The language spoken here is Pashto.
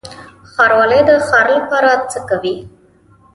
ښاروالي د ښار لپاره څه کوي؟